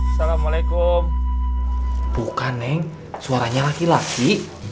assalamualaikum bukan neng suaranya laki laki